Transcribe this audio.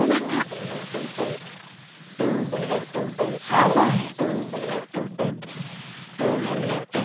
サザエ。